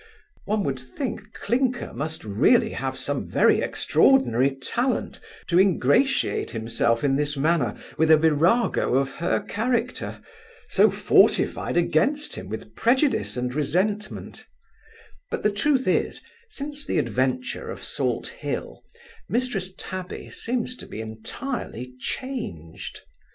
One would think, Clinker must really have some very extraordinary talent, to ingratiate himself in this manner with a virago of her character, so fortified against him with prejudice and resentment; but the truth is, since the adventure of Salt hill, Mrs Tabby seems to be entirely changed.